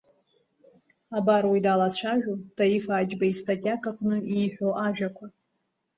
Абар уи далацәажәо, Таиф Аџьба истатиак аҟны ииҳәо ажәақәа…